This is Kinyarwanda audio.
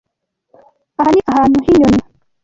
Aha ni ahantu h'inyoni.